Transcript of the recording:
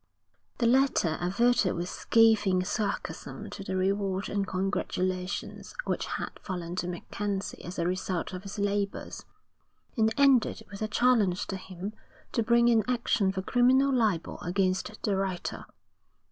The letter adverted with scathing sarcasm to the rewards and congratulations which had fallen to MacKenzie as a result of his labours; and ended with a challenge to him to bring an action for criminal libel against the writer.